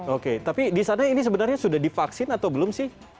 oke tapi di sana ini sebenarnya sudah divaksin atau belum sih